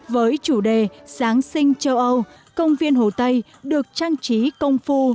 với chủ đề giáng sinh châu âu công viên hồ tây được trang trí công phu